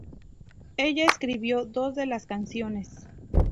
Ella escribió dos de las canciones.